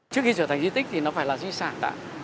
trước khi trở thành di tích thì nó phải là di sản đã